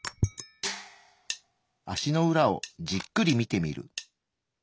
足の裏をじっくり見てみる。